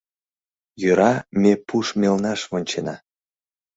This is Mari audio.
Йӧра, ме пу мелнаш вончена.